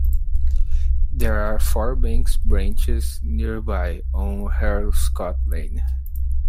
There are four bank branches nearby on Harlescott Lane.